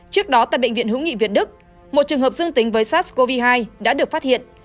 trước đó tại bệnh viện hữu nghị việt đức một trường hợp dương tính với sars cov hai đã được phát hiện